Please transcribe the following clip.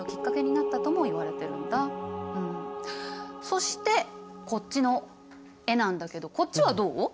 そしてこっちの絵なんだけどこっちはどう？